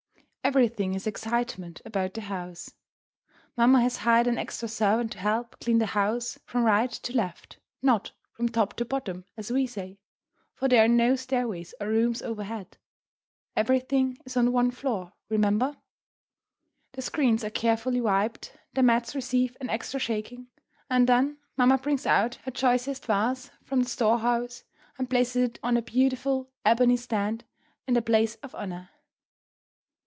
Everything is excitement about the house. Mamma has hired an extra servant to help clean the house from right to left; not from top to bottom, as we say, for there are no stairways or rooms overhead. Everything is on one floor, remember. The screens are carefully wiped, the mats receive an extra shaking, and then mamma brings out her choicest vase from the storehouse and places it on a beautiful, ebony stand in the place of honour.